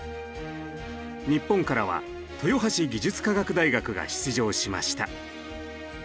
日本からは豊橋技術科学大学が出場しました。